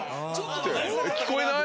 聞こえない？